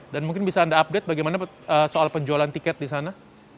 dan mungkin bisa anda update bagaimana soal penjualan tiket di sana